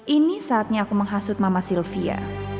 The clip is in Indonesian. ini saatnya aku menghasut mama sylvia